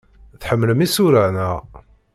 Tḥemmlem isura, naɣ?